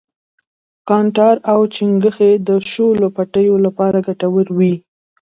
کانټار او چنگښې د شولو پټیو لپاره گټور وي.